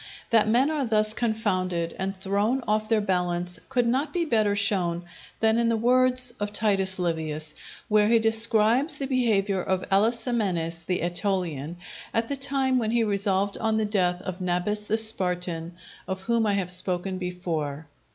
That men are thus confounded, and thrown off their balance, could not be better shown than in the words of Titus Livius, where he describes the behaviour of Alasamenes the Etolian, at the time when he resolved on the death of Nabis the Spartan, of whom I have spoken before.